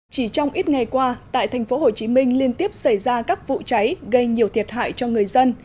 chỉ trong ít ngày qua tại thành phố hồ chí minh liên tiếp xảy ra các vụ cháy gây nhiều thiệt hại cho người dân